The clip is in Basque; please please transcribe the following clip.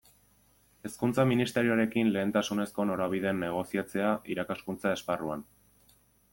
Hezkuntza Ministerioarekin lehentasunezko norabideen negoziatzea, irakaskuntza esparruan.